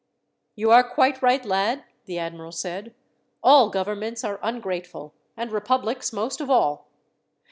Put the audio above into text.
"You are quite right, lad," the admiral said. "All governments are ungrateful, and republics most of all.